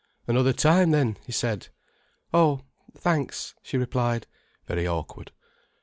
"Another time, then?" he said. "Oh, thanks," she replied, very awkward.